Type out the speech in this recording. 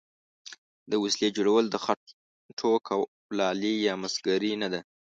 د وسلې جوړول د خټو کولالي یا مسګري نه ده.